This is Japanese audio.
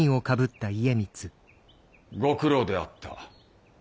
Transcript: ご苦労であった。